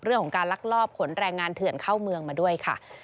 เรื่องของการลักลอบขนแรงงานเถื่อนเข้าเมืองมาด้วยค่ะ